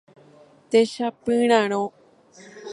Techapyrãrõ.